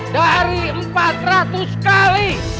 dari empat ratus kali